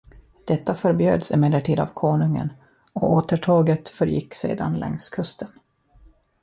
Detta förbjöds emellertid av konungen, och återtåget fortgick sedan längs kusten.